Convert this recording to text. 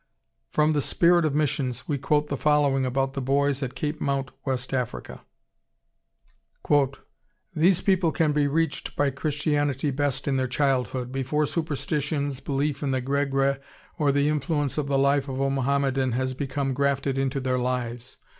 ] From the Spirit of Missions we quote the following about the boys at Cape Mount, West Africa: "These people can be reached by Christianity best in their childhood, before superstitions, belief in the Gregre, or the influence of the life of a Mohammedan has become grafted into their lives.